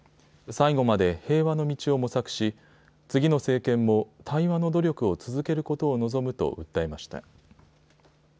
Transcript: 最後まで平和の道を模索し次の政権も対話の努力を続けることを望むと訴えました。